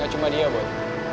gak cuma dia bon